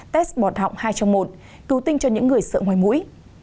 test bọt họng hai trong một cứu tinh cho những người sợ ngoài mũi